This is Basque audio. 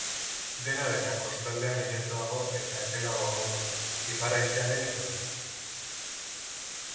Dena dela, kostaldean lainotuago eta epelago egongo da, ipar haizearen eraginez.